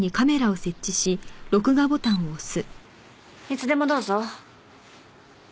いつでもどうぞ。